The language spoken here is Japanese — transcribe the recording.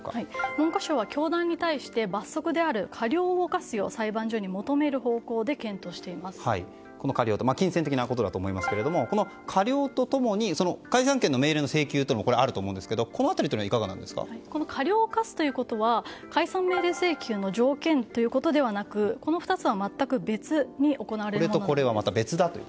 文科省は教団に対して罰則である過料を科すよう裁判所に求める方向で金銭的なことだと思いますが過料と共に解散権の命令請求があると思うですが過料を科すということは解散命令請求の条件ではなくこの２つは全く別に行われます。